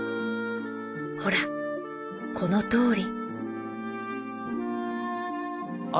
ほらこのとおり。